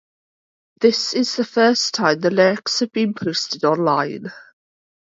This is the first time the lyrics have been posted online.